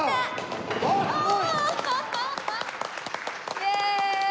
イエーイ。